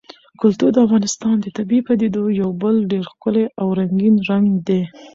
کلتور د افغانستان د طبیعي پدیدو یو بل ډېر ښکلی او رنګین رنګ دی.